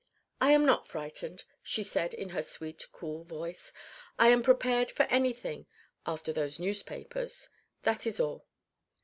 "I am not frightened," she said in her sweet cool voice. "I am prepared for anything after those newspapers that is all."